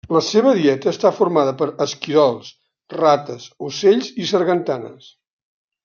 La seva dieta està formada per esquirols, rates, ocells i sargantanes.